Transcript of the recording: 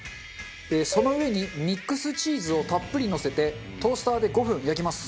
その上にミックスチーズをたっぷりのせてトースターで５分焼きます。